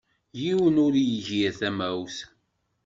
Yiwen ur igir tamawt.